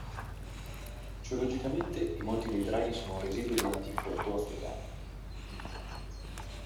Geologicamente, i Monti dei Draghi sono un residuo dell'antico plateau africano.